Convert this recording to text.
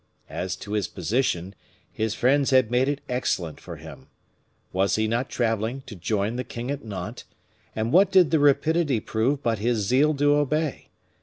As to his position, his friends had made it excellent for him. Was he not traveling to join the king at Nantes, and what did the rapidity prove but his zeal to obey?